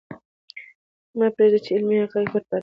مه پرېږدئ چې علمي حقایق پټ پاتې شي.